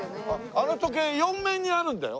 あの時計４面にあるんだよ。